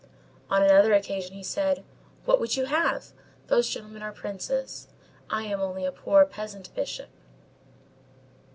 _ On another occasion he said, _"What would you have? Those gentlemen are princes. I am only a poor peasant bishop."